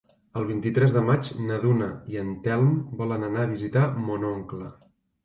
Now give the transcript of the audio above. El vint-i-tres de maig na Duna i en Telm volen anar a visitar mon oncle.